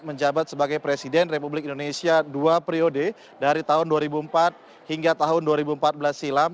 menjabat sebagai presiden republik indonesia dua periode dari tahun dua ribu empat hingga tahun dua ribu empat belas silam